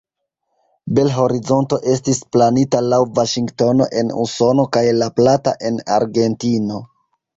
Bel-Horizonto estis planita laŭ Vaŝingtono en Usono kaj La Plata en Argentino.